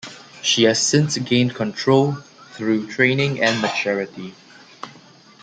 She has since gained control through training and maturity.